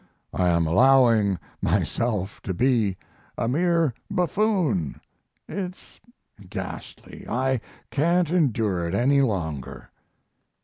I am allowing myself to be a mere buffoon. It's ghastly. I can't endure it any longer."